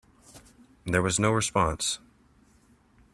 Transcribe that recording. There was no response.